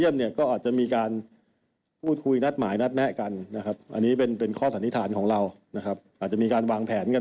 มีชื่อเจ้าหน้าที่ของรัฐอยู่ในนั้นด้วยไหมคะ